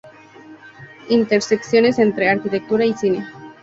Intersecciones entre arquitectura y cine.